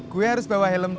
gue harus bawa helm